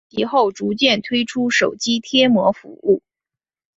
其后逐渐推出手机贴膜服务。